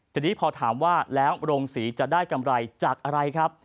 ทีนี้พอถามว่าแล้วโรงศรีจะได้กำไรจากอะไรครับ